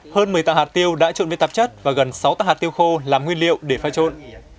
hơn một mươi tạ hạt tiêu đã trộn với tạp chất và gần sáu tạ hạt tiêu khô làm nguyên liệu để pha trộn